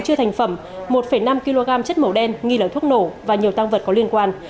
chưa thành phẩm một năm kg chất màu đen nghi là thuốc nổ và nhiều tăng vật có liên quan